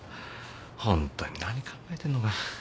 ホントに何考えてんのか。